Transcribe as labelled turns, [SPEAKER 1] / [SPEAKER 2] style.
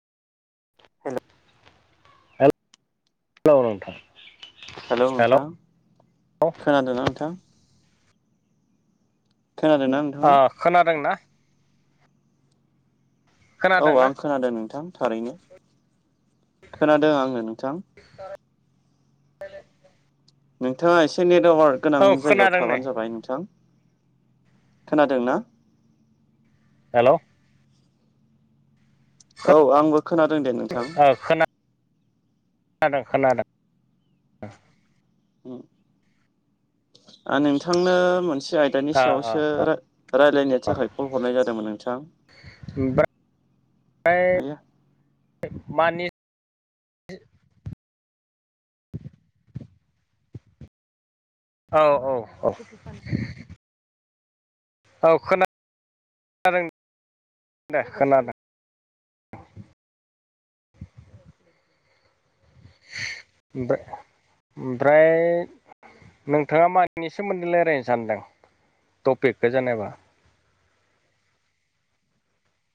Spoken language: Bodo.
[SPEAKER 1] हेल'
[SPEAKER 2] लौ नोंथां
[SPEAKER 1] हेलौ नोंथां
[SPEAKER 2] ओ
[SPEAKER 1] खोनादोंना नोंथां? खोनादों नां?
[SPEAKER 2] आ खोनादों ना?
[SPEAKER 1] औ
[SPEAKER 2] खोनादोंना
[SPEAKER 1] आं खोनादों नोंथां थारैनो खोनादों आङो नोंथां
[SPEAKER 2] [unintelligible]
[SPEAKER 1] नोंथाङा एसे नेटवार्क गोनां
[SPEAKER 2] औ
[SPEAKER 1] जायगायाव
[SPEAKER 2] खोनादों नै
[SPEAKER 1] थाबानो जाबाय नोंथां खोनादों ना?
[SPEAKER 2] हेल'
[SPEAKER 1] औ आंबो खोनादों दे नोंथां
[SPEAKER 2] जादों खोनादों
[SPEAKER 1] आ नोंथांनो मोनसे आय दानि
[SPEAKER 2] ओ ओ
[SPEAKER 1] सायावसो रा रायलायनो
[SPEAKER 2] ओ
[SPEAKER 1] थाखाय कल हरनाय जादोंमोन नोंथां।
[SPEAKER 2] [unintelligible] मानि औ औ औ औ खोना [unintelligible] दे खोनादों [inaudible] ओमफाय ओमफ्राय नोंथाङा मानि सोमोन्दै लारायनो सानदों टपिकखौ जेनेबा?